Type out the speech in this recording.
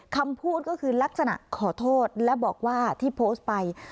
คำพูดก็คือลักษณะขอโทษและบอกว่าที่โพสต์ไป